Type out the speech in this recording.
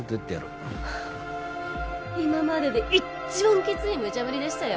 今までで一番きついむちゃ振りでしたよ。